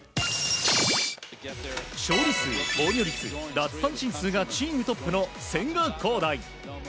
勝利数、防御率、奪三振数がチームトップの千賀滉大。